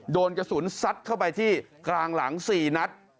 โดนกระสุนซัดเข้าไปที่กลางหลัง๔นัด